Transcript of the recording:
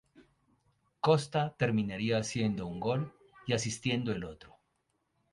Costa terminaría haciendo un gol, y asistiendo el otro.